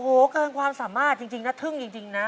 โอ้โหเกินความสามารถจริงนะทึ่งจริงนะ